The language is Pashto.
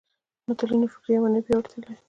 متلونه فکري او معنوي پياوړتیا لري